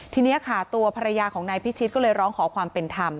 ทีนี้ค่ะตัวภรรยาของนายพิชิตก็เลยร้องขอความเป็นธรรม